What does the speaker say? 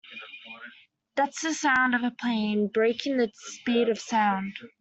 That's the sound of a plane breaking the speed of sound.